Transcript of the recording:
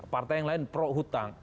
partai yang lain pro hutang